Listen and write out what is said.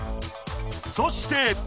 そして。